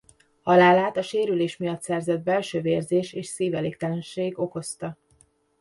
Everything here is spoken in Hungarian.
Halálát a sérülés miatt szerzett belső vérzés és szívelégtelenség okozta.